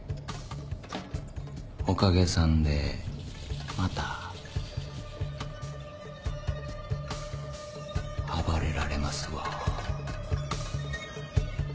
おかげさんでまた暴れられますわ。